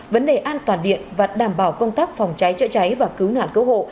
vấn đề an toàn điện và đảm bảo công tác phòng cháy chữa cháy và cứu nạn cứu hộ